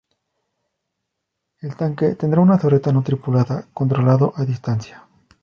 El tanque tendrá una torreta no tripulada, controlado a distancia.